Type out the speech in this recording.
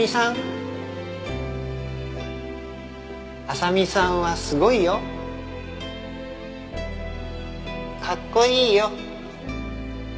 「麻未さんはすごいよ」「かっこいいよ」